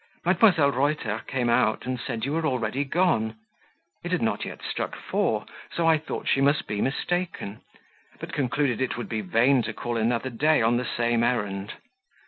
Mdlle. Reuter came out and said you were already gone; it had not yet struck four, so I thought she must be mistaken, but concluded it would be vain to call another day on the same errand.